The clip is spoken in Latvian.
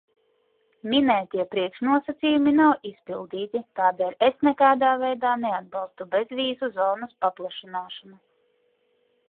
Minētie priekšnosacījumi nav izpildīti, tādēļ es nekādā veidā neatbalstu bezvīzu zonas paplašināšanu.